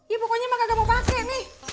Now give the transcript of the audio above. ya pokoknya mak gak mau pake nih